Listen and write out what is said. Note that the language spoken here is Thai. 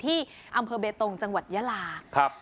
ที่อำเภอเบตรงจังหวัดยะลาครับ